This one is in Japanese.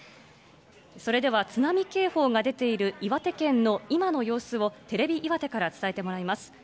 それでは津波警報が出ている岩手県の今の様子をテレビ岩手から伝えてもらいます。